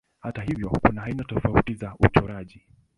Hata hivyo kuna aina tofauti za uchoraji.